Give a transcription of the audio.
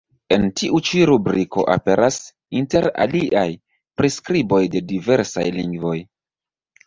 En tiu ĉi rubriko aperas, inter aliaj, priskriboj de diversaj lingvoj.